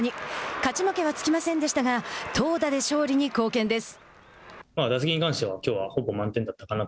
勝ち負けはつきませんでしたが投打で勝利に貢献です。